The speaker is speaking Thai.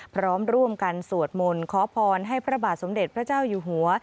พร้อมร่วมกันสวดมนต์ขอพรให้พระบาทสมเด็จพระเจ้าอยู่หัว